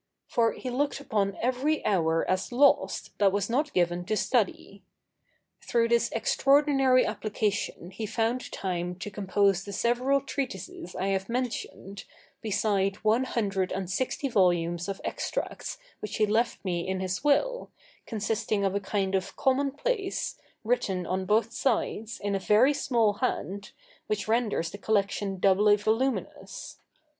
For he looked upon every hour as lost that was not given to study. Through this extraordinary application he found time to compose the several treatises I have mentioned, besides one hundred and sixty volumes of extracts which he left me in his will, consisting of a kind of common place, written on both sides, in a very small hand, which renders the collection doubly voluminous.